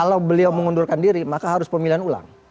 kalau beliau mengundurkan diri maka harus pemilihan ulang